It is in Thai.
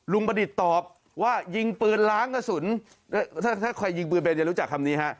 ประดิษฐ์ตอบว่ายิงปืนล้างกระสุนถ้าใครยิงปืนเป็นจะรู้จักคำนี้ฮะ